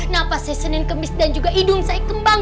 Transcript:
napas saya senin kemis dan juga hidung saya kembang